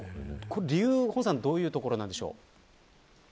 理由はどんなところなんでしょう。